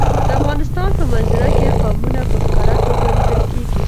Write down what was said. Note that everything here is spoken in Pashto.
د افغانستان په منظره کې قومونه په ښکاره توګه لیدل کېږي.